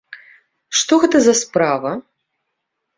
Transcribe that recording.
Што гэта за справа?